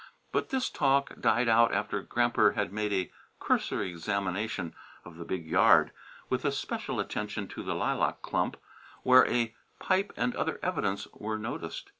But this talk died out after Gramper had made a cursory examination of the big yard, with especial attention to the lilac clump, where a pipe and other evidence was noticed.